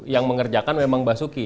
yang mengerjakan memang mbak suki